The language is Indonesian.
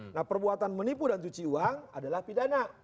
nah perbuatan menipu dan cuci uang adalah pidana